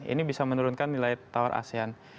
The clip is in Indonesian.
ini bisa menurunkan nilai tawar asean